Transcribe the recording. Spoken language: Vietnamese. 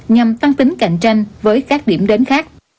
nhằm tăng tính cạnh tranh với các điểm đến khác